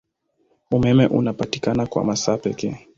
Umeme unapatikana kwa masaa pekee.